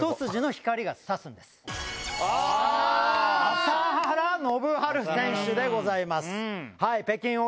朝原宣治選手でございます。